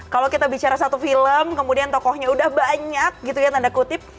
kalau kita bicara satu film kemudian tokohnya udah banyak gitu ya tanda kutip